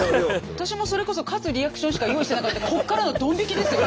私もそれこそ勝つリアクションしか用意してなかったからこっからのどん引きですよ。